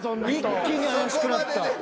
一気に怪しくなった。